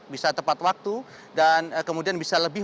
bisa tepat waktu dan kemudian bisa lebih